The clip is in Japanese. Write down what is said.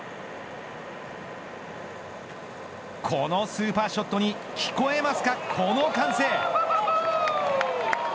このスーパーショットに聞こえますか、この歓声。